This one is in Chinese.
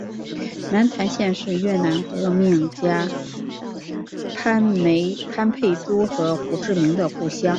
南坛县是越南革命家潘佩珠和胡志明的故乡。